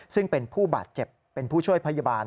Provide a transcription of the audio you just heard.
ซึ่งเป็นผู้บาดเจ็บเป็นผู้ช่วยพยาบาล